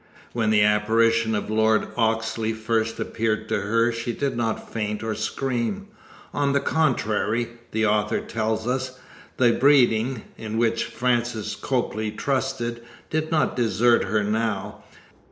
When the apparition of Lord Oxley first appeared to her she did not faint or scream. On the contrary, the author tells us, "The breeding, in which Frances Copley trusted, did not desert her now.